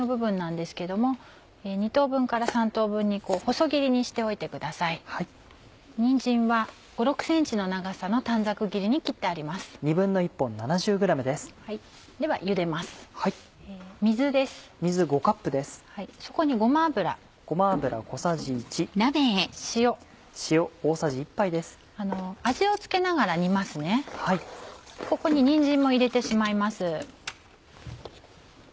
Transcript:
ここににんじんも入れてしまいます。